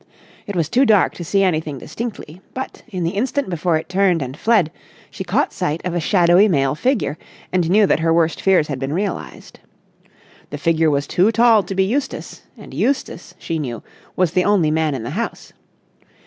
It was too dark to see anything distinctly, but, in the instant before it turned and fled, she caught sight of a shadowy male figure, and knew that her worst fears had been realised. The figure was too tall to be Eustace, and Eustace, she knew, was the only man in the house.